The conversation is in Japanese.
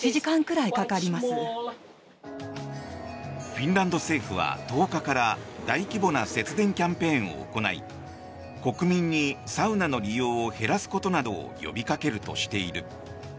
フィンランド政府は１０日から大規模な節電キャンペーンを行い国民にサウナの利用を減らすことなどを呼び掛けるとしている。